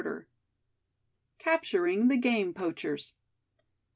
CAPTURING THE GAME POACHERS.